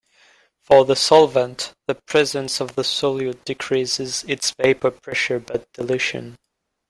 For the solvent, the presence of the solute decreases its vapor pressure by dilution.